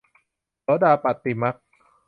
โสดาปัตติมรรค